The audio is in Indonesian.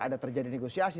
ada terjadi negosiasi